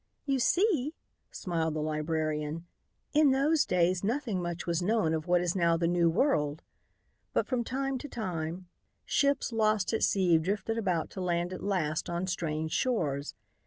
"You see," smiled the librarian, "in those days nothing much was known of what is now the new world, but from time to time ships lost at sea drifted about to land at last on strange shores.